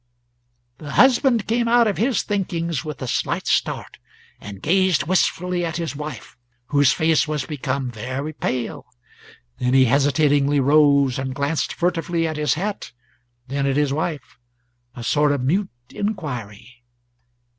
The husband came out of his thinkings with a slight start, and gazed wistfully at his wife, whose face was become very pale; then he hesitatingly rose, and glanced furtively at his hat, then at his wife a sort of mute inquiry.